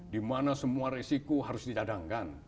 di mana semua resiko harus dijadangkan